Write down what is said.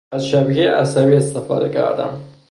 از شبکهٔ عصبی استفاده کردم.